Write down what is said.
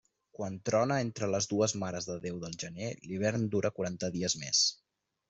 Quan trona entre les dues Mares de Déu del gener, l'hivern dura quaranta dies més.